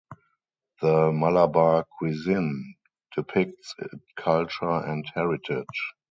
The Malabar cuisine depicts it culture and heritage.